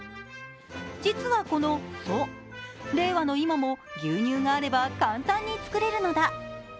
実はこの蘇、令和の今も牛乳があれば簡単に作れるのだ。